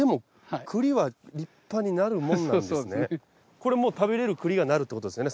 これもう食べられる栗がなるってことですよね